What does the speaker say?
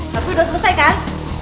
tapi udah selesai kan